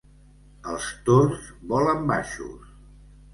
Els tords volen baixos.